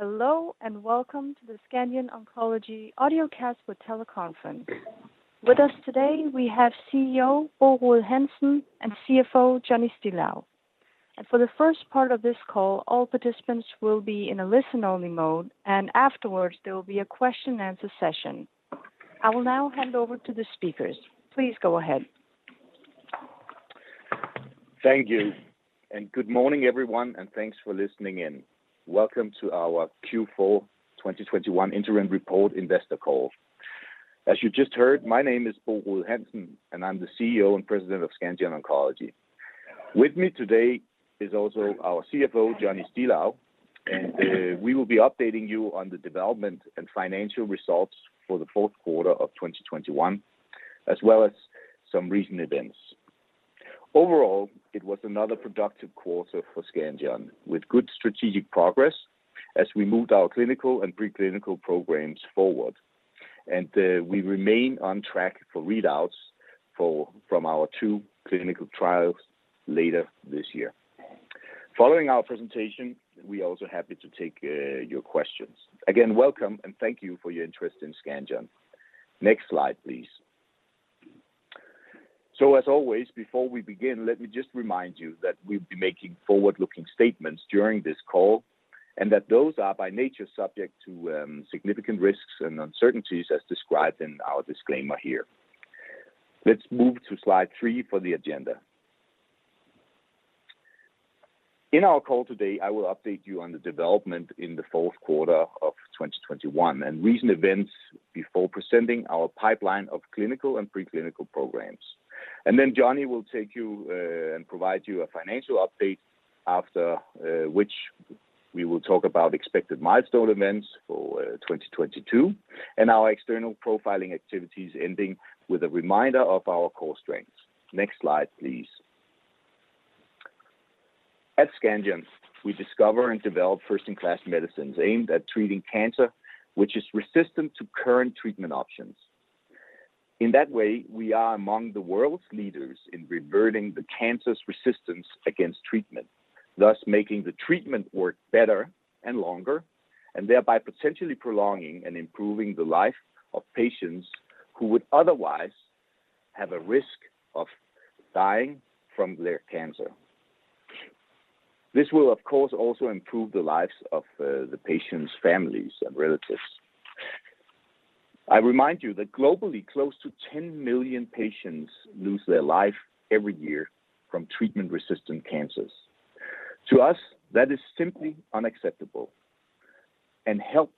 Hello and welcome to the Scandion Oncology Audiocast with Teleconference. With us today we have CEO Bo Rode Hansen and CFO Johnny Stilou. For the first part of this call, all participants will be in a listen only mode, and afterwards there will be a question answer session. I will now hand over to the speakers. Please go ahead. Thank you. Good morning everyone, and thanks for listening in. Welcome to our Q4 2021 Interim Report Investor Call. As you just heard, my name is Bo Rode Hansen, and I'm the CEO and President of Scandion Oncology. With me today is also our CFO, Johnny Stilou, and we will be updating you on the development and financial results for the fourth quarter of 2021, as well as some recent events. Overall, it was another productive quarter for Scandion, with good strategic progress as we moved our clinical and pre-clinical programs forward. We remain on track for readouts from our two clinical trials later this year. Following our presentation, we are also happy to take your questions. Again, welcome and thank you for your interest in Scandion. Next slide, please. As always, before we begin, let me just remind you that we'll be making forward-looking statements during this call, and that those are by nature subject to significant risks and uncertainties as described in our disclaimer here. Let's move to slide 3 for the agenda. In our call today, I will update you on the development in the fourth quarter of 2021 and recent events before presenting our pipeline of clinical and pre-clinical programs. Johnny will take you and provide you a financial update after which we will talk about expected milestone events for 2022 and our external profiling activities ending with a reminder of our core strengths. Next slide, please. At Scandion, we discover and develop first in class medicines aimed at treating cancer which is resistant to current treatment options. In that way, we are among the world's leaders in reverting the cancer's resistance against treatment, thus making the treatment work better and longer, and thereby potentially prolonging and improving the life of patients who would otherwise have a risk of dying from their cancer. This will, of course, also improve the lives of the patients' families and relatives. I remind you that globally close to 10 million patients lose their life every year from treatment-resistant cancers. To us, that is simply unacceptable. Help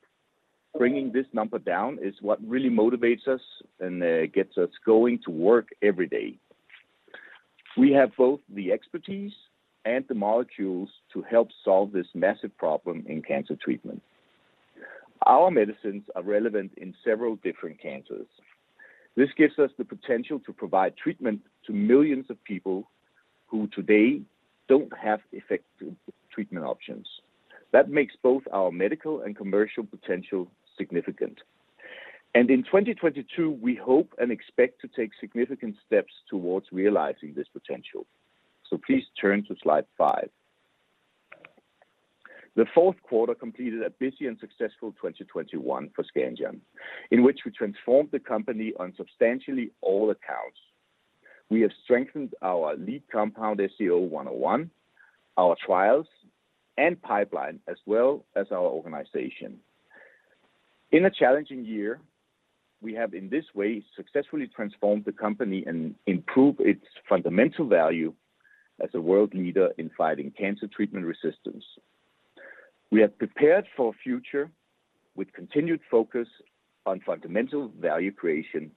bringing this number down is what really motivates us and gets us going to work every day. We have both the expertise and the molecules to help solve this massive problem in cancer treatment. Our medicines are relevant in several different cancers. This gives us the potential to provide treatment to millions of people who today don't have effective treatment options. That makes both our medical and commercial potential significant. In 2022, we hope and expect to take significant steps towards realizing this potential. Please turn to slide 5. The fourth quarter completed a busy and successful 2021 for Scandion, in which we transformed the company on substantially all accounts. We have strengthened our lead compound, SCO-101, our trials and pipeline, as well as our organization. In a challenging year, we have in this way successfully transformed the company and improved its fundamental value as a world leader in fighting cancer treatment resistance. We are prepared for a future with continued focus on fundamental value creation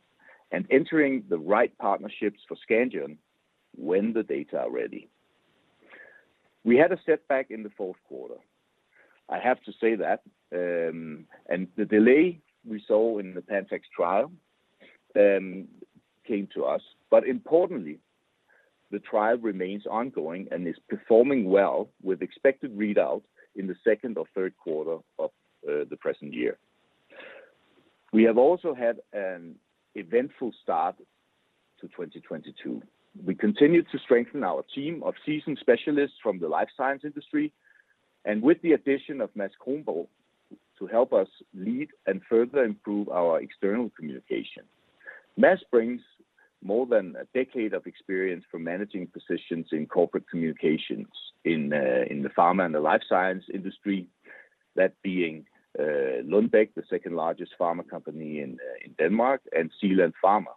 and entering the right partnerships for Scandion when the data are ready. We had a setback in the fourth quarter. I have to say that, and the delay we saw in the PANTAX trial, came to us. Importantly, the trial remains ongoing and is performing well with expected readouts in the second or third quarter of the present year. We have also had an eventful start to 2022. We continue to strengthen our team of seasoned specialists from the life science industry and with the addition of Mads Kronborg to help us lead and further improve our external communication. Mads brings more than a decade of experience from managing positions in corporate communications in the pharma and the life science industry, that being Lundbeck, the second largest pharma company in Denmark, and Zealand Pharma.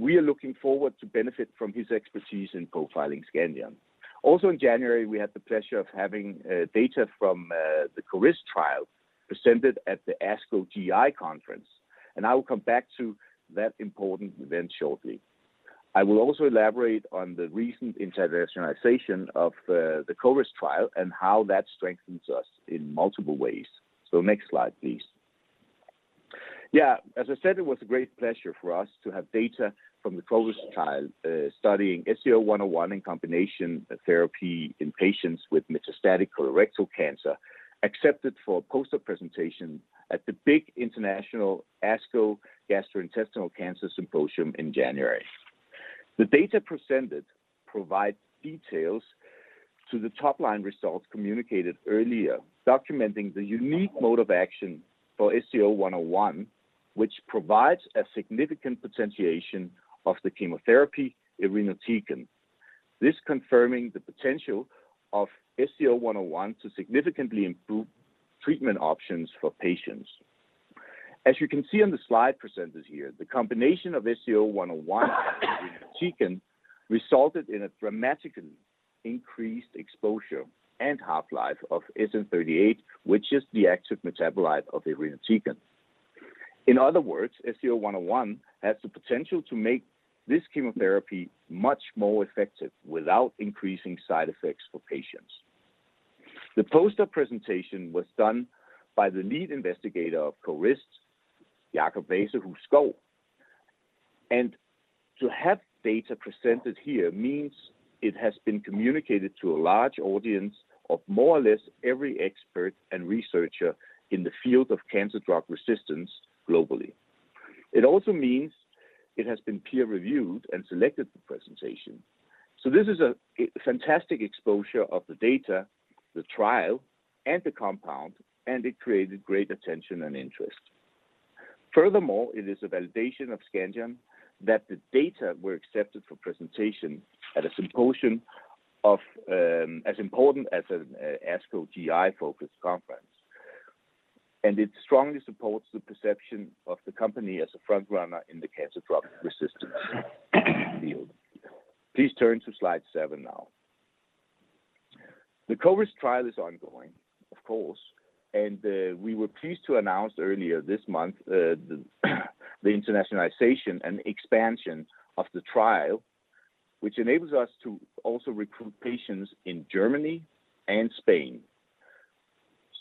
We are looking forward to benefit from his expertise in profiling Scandion. Also in January, we had the pleasure of having data from the CORIST trial presented at the ASCO GI Conference, and I will come back to that important event shortly. I will also elaborate on the recent internationalization of the CORIST trial and how that strengthens us in multiple ways. Next slide, please. Yeah, as I said, it was a great pleasure for us to have data from the CORIST trial studying SCO-101 in combination therapy in patients with metastatic colorectal cancer accepted for a poster presentation at the big international ASCO Gastrointestinal Cancers Symposium in January. The data presented provides details to the top-line results communicated earlier, documenting the unique mode of action for SCO-101, which provides a significant potentiation of the chemotherapy irinotecan. This confirming the potential of SCO-101 to significantly improve treatment options for patients. As you can see on the slide presented here, the combination of SCO-101 irinotecan resulted in a dramatically increased exposure and half-life of SN-38, which is the active metabolite of irinotecan. In other words, SCO-101 has the potential to make this chemotherapy much more effective without increasing side effects for patients. The poster presentation was done by the lead investigator of CORIST, Jakob Veser-Huskow. To have data presented here means it has been communicated to a large audience of more or less every expert and researcher in the field of cancer drug resistance globally. It also means it has been peer-reviewed and selected for presentation. This is a fantastic exposure of the data, the trial, and the compound, and it created great attention and interest. Furthermore, it is a validation of Scandion that the data were accepted for presentation at a symposium of as important as ASCO GI focused conference. It strongly supports the perception of the company as a frontrunner in the cancer drug resistance field. Please turn to slide seven now. The CORIST trial is ongoing, of course, and we were pleased to announce earlier this month the internationalization and expansion of the trial, which enables us to also recruit patients in Germany and Spain.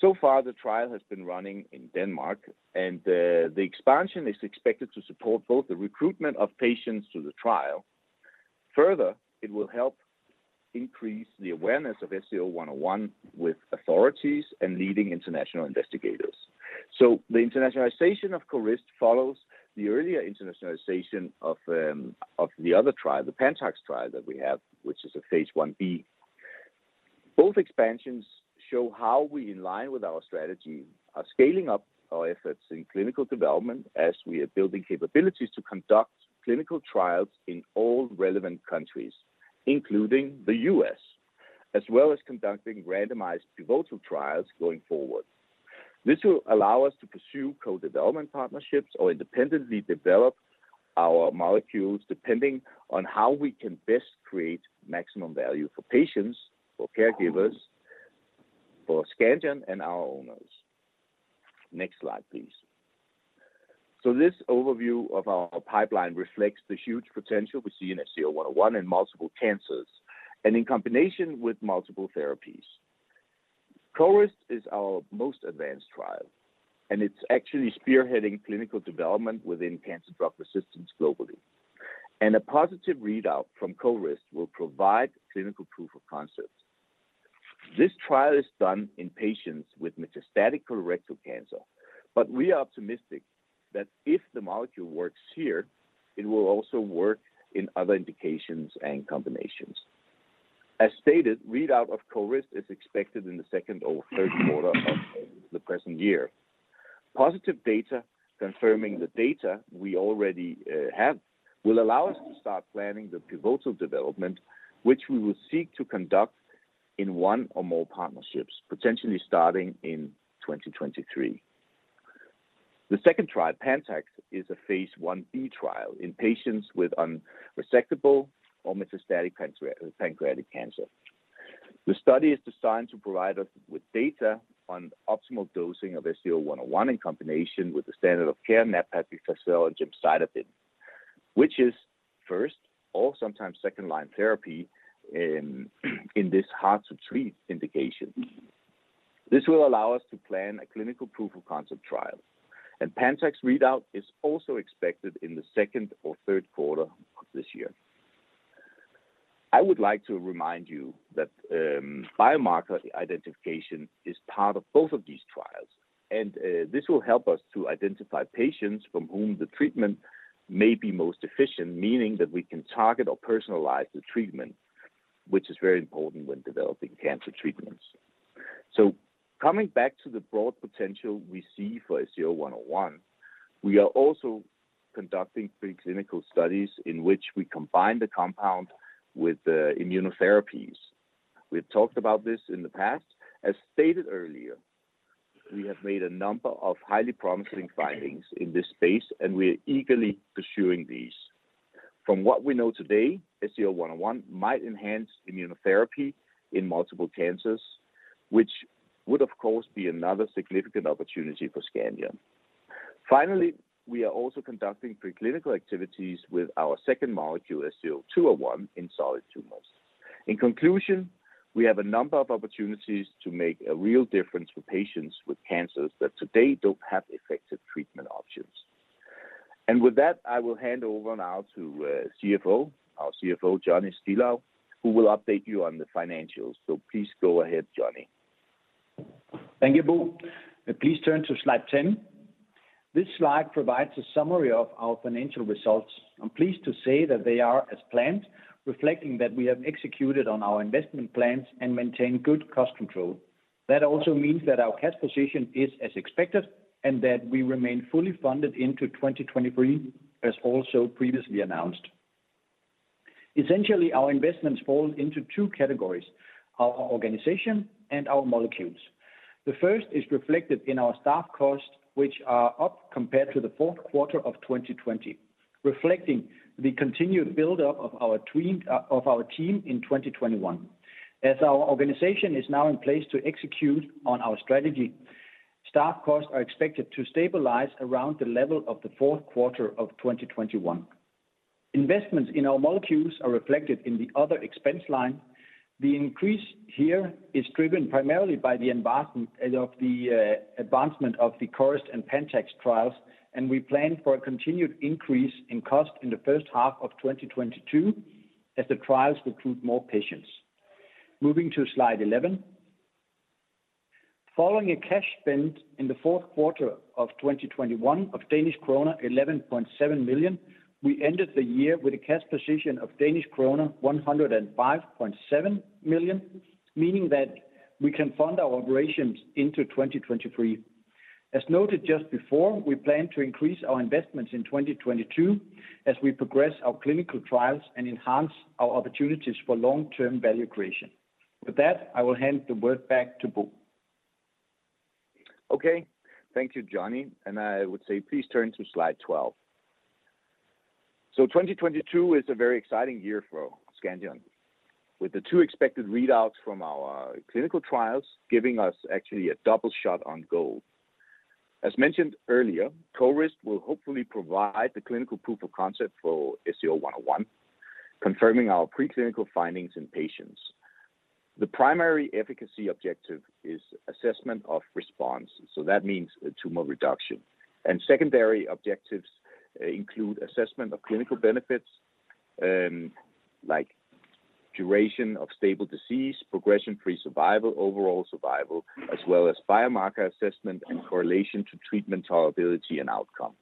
So far the trial has been running in Denmark, and the expansion is expected to support both the recruitment of patients to the trial. Further, it will help increase the awareness of SCO-101 with authorities and leading international investigators. The internationalization of CORIST follows the earlier internationalization of the other trial, the PANTAX trial that we have, which is a phase I-B. Both expansions show how we align with our strategy of scaling up our efforts in clinical development as we are building capabilities to conduct clinical trials in all relevant countries, including the U.S., as well as conducting randomized pivotal trials going forward. This will allow us to pursue co-development partnerships or independently develop our molecules depending on how we can best create maximum value for patients, for caregivers, for Scandion and our owners. Next slide, please. This overview of our pipeline reflects the huge potential we see in SCO-101 in multiple cancers and in combination with multiple therapies. CORIST is our most advanced trial, and it's actually spearheading clinical development within cancer drug resistance globally. A positive readout from CORIST will provide clinical proof of concept. This trial is done in patients with metastatic colorectal cancer, but we are optimistic that if the molecule works here, it will also work in other indications and combinations. As stated, readout of CORIST is expected in the second or third quarter of the present year. Positive data confirming the data we already have will allow us to start planning the pivotal development which we will seek to conduct in one or more partnerships, potentially starting in 2023. The second trial, PANTAX, is a phase I-B trial in patients with unresectable or metastatic pancreatic cancer. The study is designed to provide us with data on optimal dosing of SCO-101 in combination with the standard of care nab-paclitaxel and gemcitabine, which is first or sometimes second-line therapy in this hard to treat indication. This will allow us to plan a clinical proof of concept trial, and PANTAX readout is also expected in the second or third quarter of this year. I would like to remind you that, biomarker identification is part of both of these trials, and, this will help us to identify patients from whom the treatment may be most efficient, meaning that we can target or personalize the treatment, which is very important when developing cancer treatments. Coming back to the broad potential we see for SCO-101, we are also conducting pre-clinical studies in which we combine the compound with, immunotherapies. We've talked about this in the past. As stated earlier, we have made a number of highly promising findings in this space, and we are eagerly pursuing these. From what we know today, SCO-101 might enhance immunotherapy in multiple cancers, which would of course be another significant opportunity for Scandion. Finally, we are also conducting pre-clinical activities with our second molecule, SCO-201, in solid tumors. In conclusion, we have a number of opportunities to make a real difference for patients with cancers that today don't have effective treatment options. With that, I will hand over now to our CFO, Johnny Stilou, who will update you on the financials. Please go ahead, Johnny. Thank you, Bo. Please turn to slide 10. This slide provides a summary of our financial results. I'm pleased to say that they are as planned, reflecting that we have executed on our investment plans and maintained good cost control. That also means that our cash position is as expected, and that we remain fully funded into 2023, as also previously announced. Essentially, our investments fall into two categories: our organization and our molecules. The first is reflected in our staff costs, which are up compared to the fourth quarter of 2020, reflecting the continued build-up of our team in 2021. As our organization is now in place to execute on our strategy, staff costs are expected to stabilize around the level of the fourth quarter of 2021. Investments in our molecules are reflected in the other expense line. The increase here is driven primarily by the advancement of the CORIST and PANTAX trials, and we plan for a continued increase in cost in the first half of 2022 as the trials recruit more patients. Moving to slide 11. Following a cash spend in the fourth quarter of 2021 of Danish krone 11.7 million, we ended the year with a cash position of Danish krone 105.7 million, meaning that we can fund our operations into 2023. As noted just before, we plan to increase our investments in 2022 as we progress our clinical trials and enhance our opportunities for long-term value creation. With that, I will hand the word back to Bo. Okay. Thank you, Johnny. I would say please turn to slide 12. 2022 is a very exciting year for Scandion, with the two expected readouts from our clinical trials giving us actually a double shot on goal. As mentioned earlier, CORIST will hopefully provide the clinical proof of concept for SCO-101, confirming our pre-clinical findings in patients. The primary efficacy objective is assessment of response, so that means tumor reduction. Secondary objectives include assessment of clinical benefits, like duration of stable disease, progression-free survival, overall survival, as well as biomarker assessment and correlation to treatment tolerability and outcome.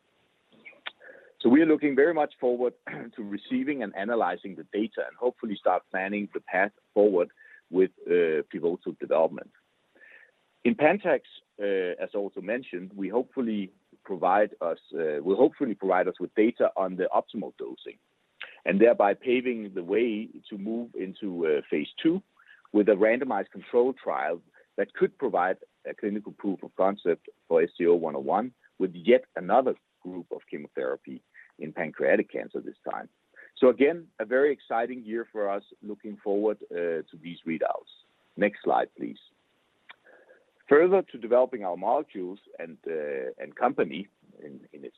We are looking very much forward to receiving and analyzing the data and hopefully start planning the path forward with pivotal development. In PANTAX, as also mentioned, it will hopefully provide us with data on the optimal dosing, and thereby paving the way to move into phase II with a randomized control trial that could provide a clinical proof of concept for SCO-101 with yet another group of chemotherapy in pancreatic cancer this time. Again, a very exciting year for us. Looking forward to these readouts. Next slide, please. Further to developing our molecules and company in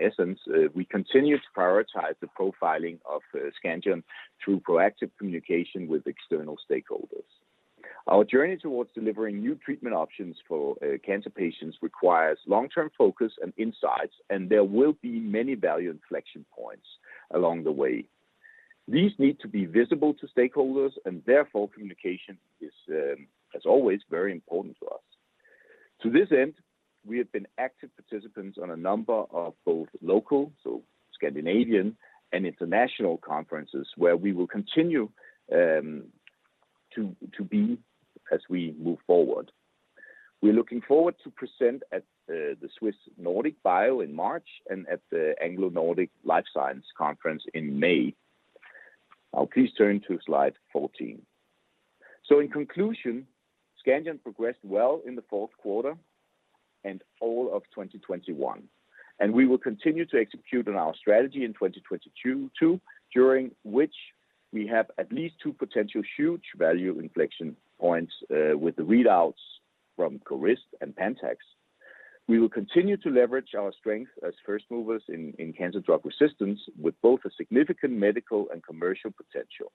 essence, we continue to prioritize the profiling of Scandion through proactive communication with external stakeholders. Our journey towards delivering new treatment options for cancer patients requires long-term focus and insights, and there will be many value inflection points along the way. These need to be visible to stakeholders, and therefore communication is as always very important to us. To this end, we have been active participants on a number of both local, so Scandinavian, and international conferences where we will continue to be as we move forward. We're looking forward to present at the Swiss Nordic Bio in March and at the Anglonordic Life Science Conference in May. Please turn to slide 14. In conclusion, Scandion progressed well in the fourth quarter and all of 2021, and we will continue to execute on our strategy in 2022 too, during which we have at least two potential huge value inflection points with the readouts from CORIST and PANTAX. We will continue to leverage our strength as first movers in cancer drug resistance with both a significant medical and commercial potential.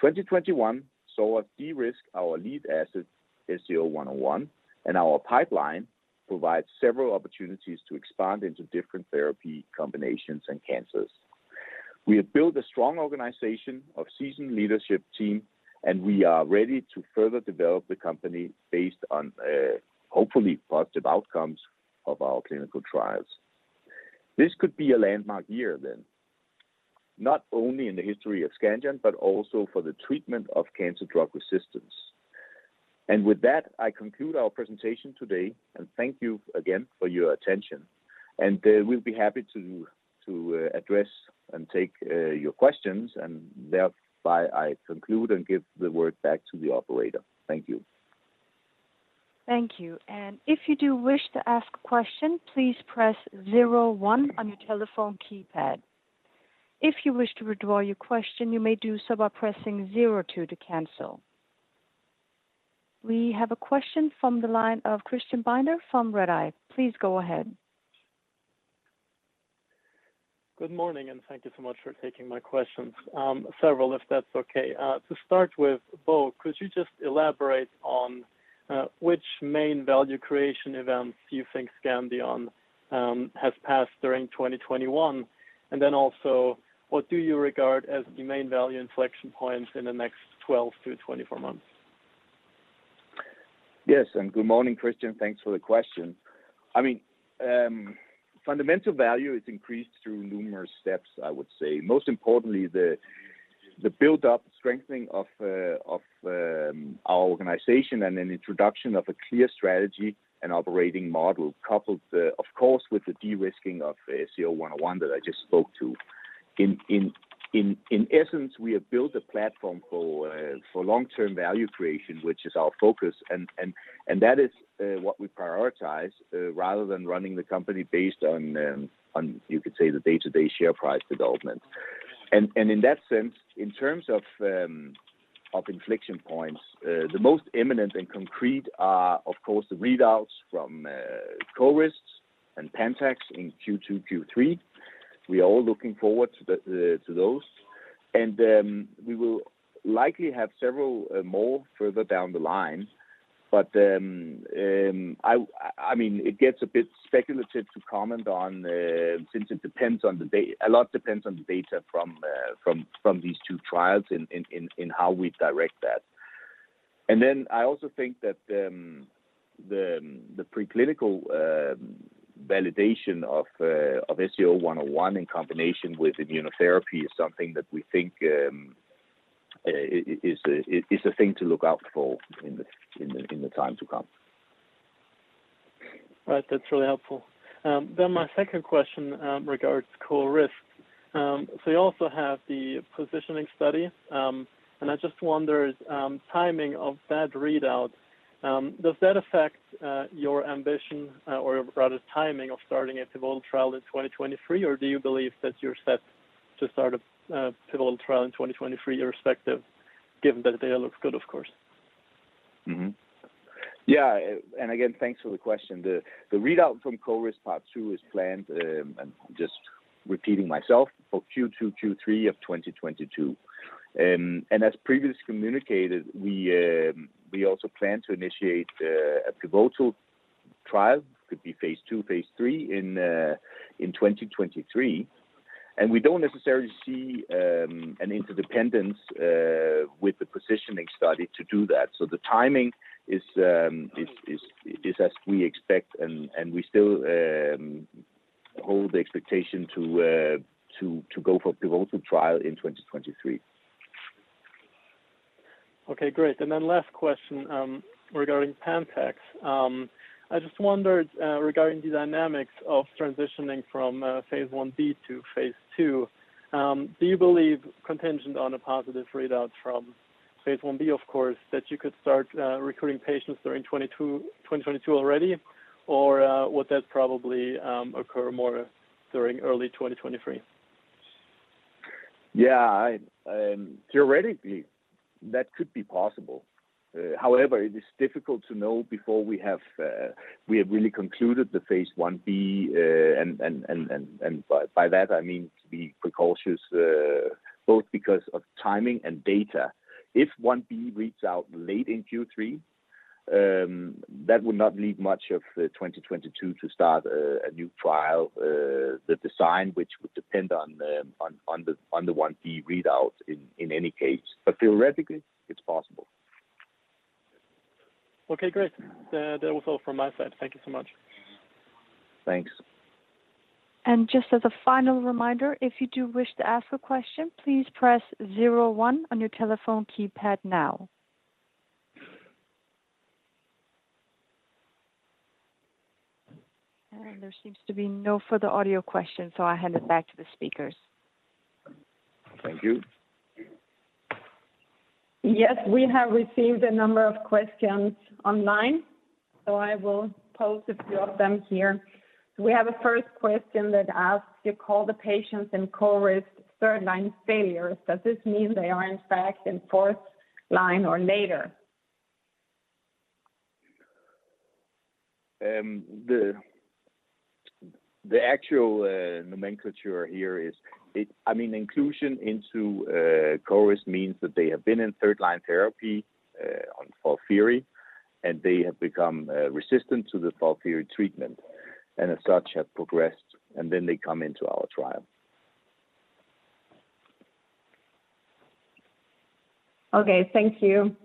2021 saw us de-risk our lead asset, SCO-101, and our pipeline provides several opportunities to expand into different therapy combinations and cancers. We have built a strong organization of seasoned leadership team, and we are ready to further develop the company based on hopefully positive outcomes of our clinical trials. This could be a landmark year then, not only in the history of Scandion, but also for the treatment of cancer drug resistance. With that, I conclude our presentation today, and thank you again for your attention. We'll be happy to address and take your questions, and thereby I conclude and give the word back to the operator. Thank you. Thank you. And if you do wish to ask question, please press zero one on your telephone keypad. If you wish do to withdraw your question, you may do so by pressing zero two to cancel. We have a question from the line of Christian Binder from Redeye. Please go ahead. Good morning, and thank you so much for taking my questions. Several, if that's okay. To start with, Bo, could you just elaborate on which main value creation events do you think Scandion has passed during 2021? And then also, what do you regard as the main value inflection points in the next 12-24 months? Yes, good morning, Christian. Thanks for the question. I mean, fundamental value is increased through numerous steps, I would say. Most importantly, the build-up strengthening of our organization and an introduction of a clear strategy and operating model, coupled, of course, with the de-risking of SCO-101 that I just spoke to. In essence, we have built a platform for long-term value creation, which is our focus, and that is what we prioritize, rather than running the company based on, you could say, the day-to-day share price development. In that sense, in terms of inflection points, the most imminent and concrete are, of course, the readouts from CORIST and PANTAX in Q2, Q3. We are all looking forward to those. And then, we will likely have several more further down the line. I mean, it gets a bit speculative to comment on since it depends on the data. A lot depends on the data from these two trials in how we direct that. Then I also think that the preclinical validation of SCO-101 in combination with immunotherapy is something that we think is a thing to look out for in the time to come. Right. That's really helpful. My second question regards CORIST. You also have the positioning study. I just wonder timing of that readout. Does that affect your ambition or rather timing of starting a pivotal trial in 2023? Or do you believe that you're set to start a pivotal trial in 2023 irrespective given that the data looks good of course? Mm-hmm. Yeah, again, thanks for the question. The readout from CORIST Part 2 is planned. I'm just repeating myself, for Q2, Q3 of 2022. As previously communicated, we also plan to initiate a pivotal trial, could be phase II, phase III in 2023. We don't necessarily see an interdependence with the positioning study to do that. The timing is as we expect and we still hold the expectation to go for pivotal trial in 2023. Okay, great. Last question regarding PANTAX. I just wondered regarding the dynamics of transitioning from phase I-B to phase II. Do you believe, contingent on a positive readout from phase I-B, of course, that you could start recruiting patients during 2022 already? Or would that probably occur more during early 2023? Yeah. Theoretically, that could be possible. However, it is difficult to know before we have really concluded the phase I-B. By that I mean to be precautious, both because of timing and data. If I-B reads out late in Q3, that would not leave much of the 2022 to start a new trial. The design which would depend on the I-B readout in any case, but theoretically it's possible. Okay, great. That was all from my side. Thank you so much. Thanks. Just as a final reminder, if you do wish to ask a question, please press zero one on your telephone keypad now. There seems to be no further audio questions, so I hand it back to the speakers. Thank you. Yes, we have received a number of questions online, so I will pose a few of them here. We have a first question that asks, you call the patients in CORIST third line failures. Does this mean they are in fact in fourth line or later? The actual nomenclature here is, I mean, inclusion into CORIST means that they have been in third line therapy on FOLFIRI, and they have become resistant to the FOLFIRI treatment, and as such have progressed, and then they come into our trial. Okay. Thank you.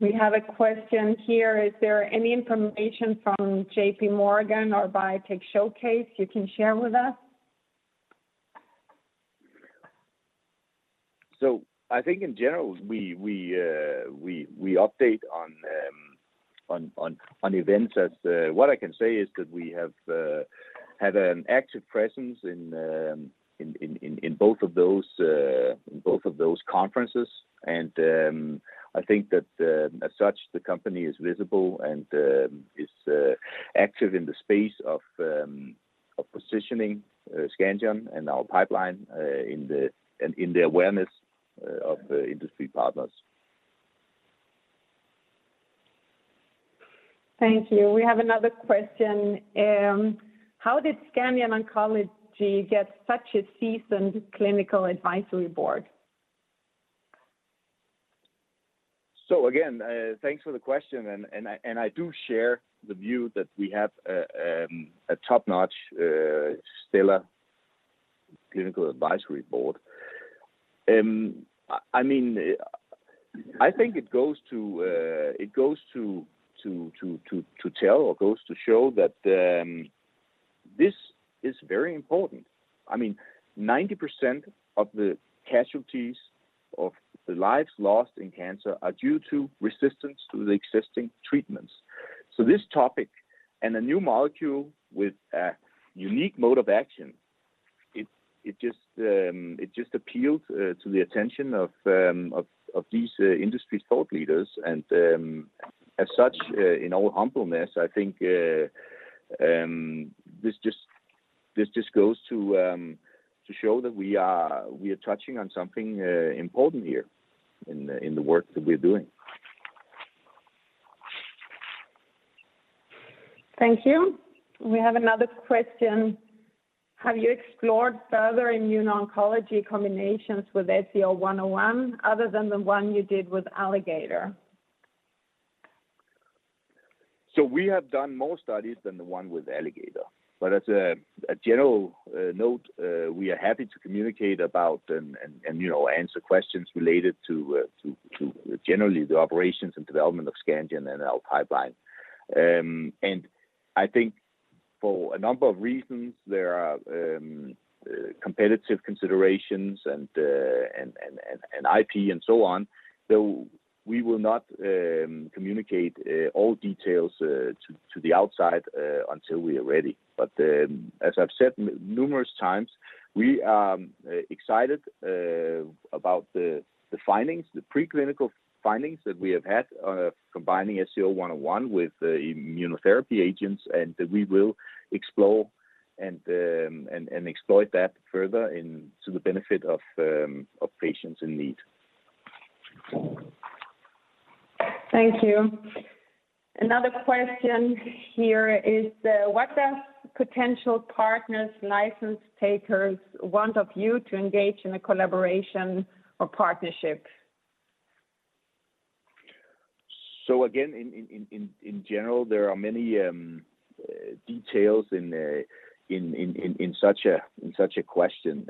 We have a question here. Is there any information from JPMorgan or Biotech Showcase you can share with us? I think in general, we update on events. What I can say is that we have had an active presence in both of those conferences. I think that as such, the company is visible and is active in the space of positioning Scandion and our pipeline in the awareness of the industry partners. Thank you. We have another question. How did Scandion Oncology get such a seasoned Clinical Advisory Board? Again, thanks for the question. I do share the view that we have a top-notch, stellar Clinical Advisory Board. I mean, I think it goes to show that this is very important. I mean, 90% of the casualties of the lives lost in cancer are due to resistance to the existing treatments. This topic and a new molecule with a unique mode of action, it just appeals to the attention of these industry thought leaders. As such, in all humbleness, I think this just goes to show that we are touching on something important here in the work that we're doing. Thank you. We have another question. Have you explored further immuno-oncology combinations with SCO-101 other than the one you did with Alligator? We have done more studies than the one with Alligator. We are happy to communicate about and, you know, answer questions related to generally the operations and development of Scandion and our pipeline. I think for a number of reasons, there are competitive considerations and IP and so on. We will not communicate all details to the outside until we are ready. As I've said numerous times, we are excited about the findings, the preclinical findings that we have had, combining SCO-101 with the immunotherapy agents, and we will explore and exploit that further into the benefit of patients in need. Thank you. Another question here is, what does potential partners, license takers want of you to engage in a collaboration or partnership? Again, in general, there are many details in such a question.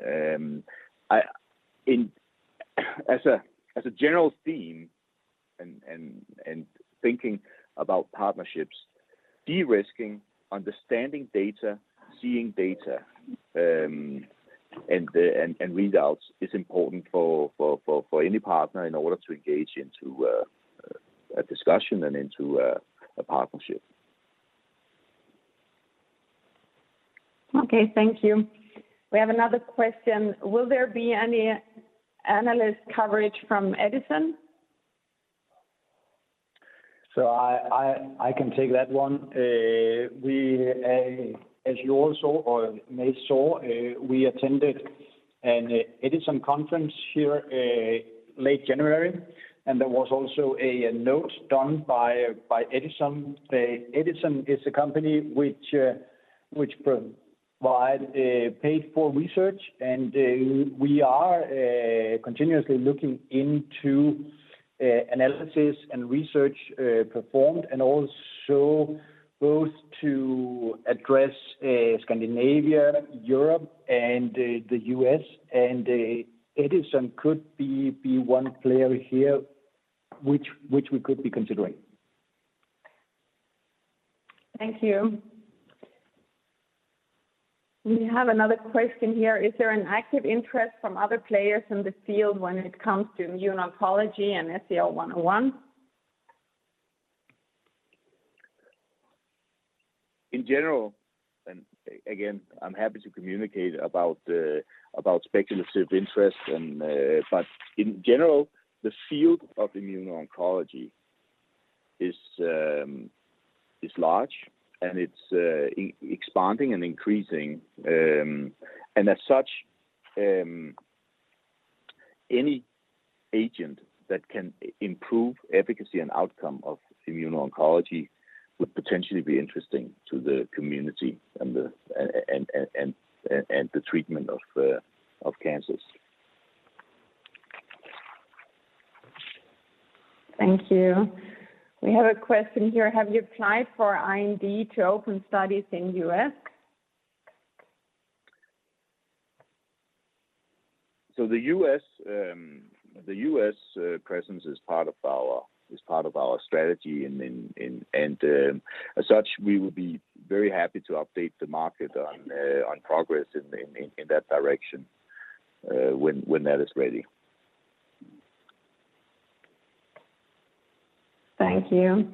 As a general theme and thinking about partnerships, de-risking, understanding data, seeing data, and the readouts is important for any partner in order to engage into a discussion and into a partnership. Okay, thank you. We have another question. Will there be any analyst coverage from Edison? I can take that one. We, as you all saw or may have seen, we attended an Edison conference here, late January, and there was also a note done by Edison. Edison is a company which provide paid-for research. We are continuously looking into analysis and research performed, and also both to address Scandinavia, Europe, and the U.S. Edison could be one player here which we could be considering. Thank you. We have another question here. Is there an active interest from other players in the field when it comes to immuno-oncology and SCO-101? In general, again, I'm happy to communicate about speculative interest and but in general, the field of immuno-oncology is large, and it's expanding and increasing. As such, any agent that can improve efficacy and outcome of immuno-oncology would potentially be interesting to the community and the treatment of cancers. Thank you. We have a question here. Have you applied for IND to open studies in U.S.? The U.S. presence is part of our strategy and, as such, we will be very happy to update the market on progress in that direction when that is ready. Thank you.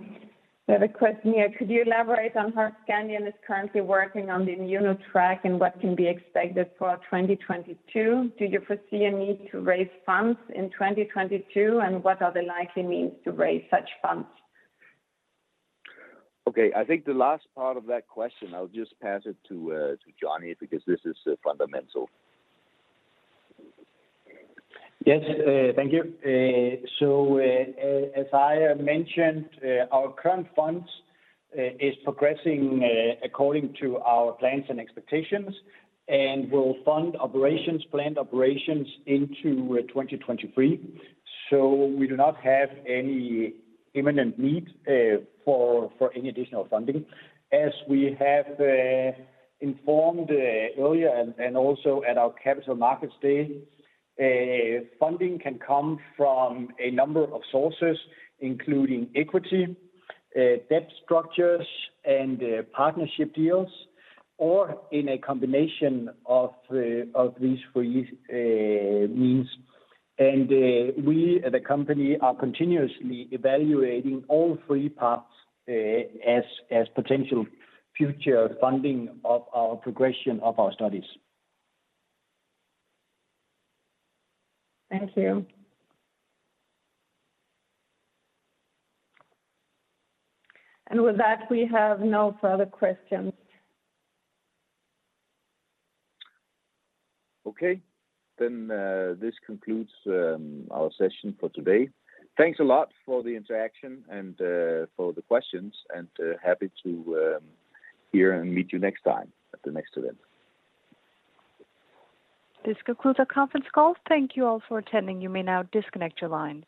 We have a question here. Could you elaborate on how Scandion is currently working on the immuno-oncology track and what can be expected for 2022? Do you foresee a need to raise funds in 2022, and what are the likely means to raise such funds? Okay. I think the last part of that question, I'll just pass it to Johnny, because this is fundamental. Yes, thank you. As I mentioned, our current funds is progressing according to our plans and expectations and will fund operations, planned operations into 2023. We do not have any imminent need for any additional funding. As we have informed earlier and also at our Capital Markets Day, funding can come from a number of sources, including equity, debt structures, and partnership deals, or in a combination of these three means. We at the company are continuously evaluating all three parts as potential future funding of our progression of our studies. Thank you. With that, we have no further questions. Okay. This concludes our session for today. Thanks a lot for the interaction and for the questions, and happy to hear and meet you next time at the next event. This concludes our conference call. Thank you all for attending. You may now disconnect your lines.